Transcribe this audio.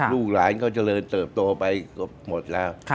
ลูกหลานก็เจริญเติบโตไปเกือบหมดแล้ว